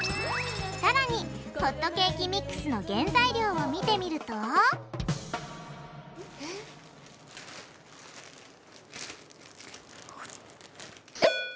さらにホットケーキミックスの原材料を見てみるとえっ？